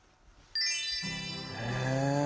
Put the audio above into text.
へえ。